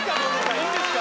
いいんですか？